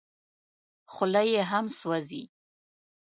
خوله یې هم سوځي .